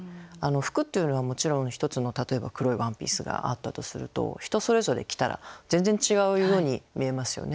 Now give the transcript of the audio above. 服っていうのはもちろん一つの例えば黒いワンピースがあったとすると人それぞれ着たら全然違う色に見えますよね。